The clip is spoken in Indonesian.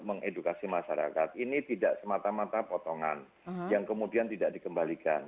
mengedukasi masyarakat ini tidak semata mata potongan yang kemudian tidak dikembalikan